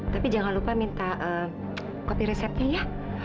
tapi jangan lupa minta kopi resepnya ya